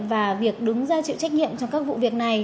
và việc đứng ra chịu trách nhiệm trong các vụ việc này